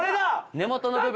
根元の部分。